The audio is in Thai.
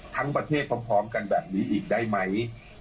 ทั้งประเทศพร้อมกันแบบนี้อีกได้ไหม